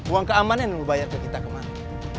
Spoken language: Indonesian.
uang keamanan yang lo bayar ke kita kemarin